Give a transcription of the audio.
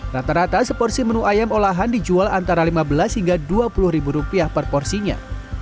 rata rata seporsi menu ayam olahan dijual antara rp lima belas hingga rp dua puluh per porsinya